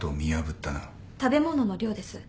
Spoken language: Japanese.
食べ物の量です。